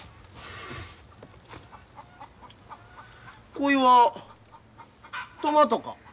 こいはトマトか？